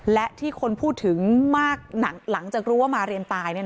และที่คนพูดถึงมากหลังจากรู้ว่ามาเรียนตาย